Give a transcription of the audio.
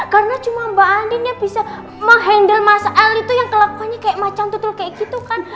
karena cuma mbak andin yang bisa mengendal mas al itu yang kelakunya kayak macang tutul kayak gitu kan